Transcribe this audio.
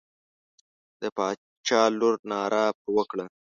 د باچا لور ناره پر وکړه.